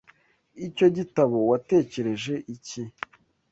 Icyo gitabo watekereje iki?